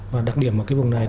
và đặc điểm ở cái vùng này